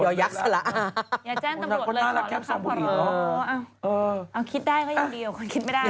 อย่าแจ้งตำรวจเลยขอล่ะครับขอร้องเออคิดได้ก็อย่างเดียวคนคิดไม่ได้นะ